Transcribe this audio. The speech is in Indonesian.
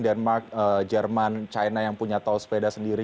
denmark jerman china yang punya tol sepeda sendiri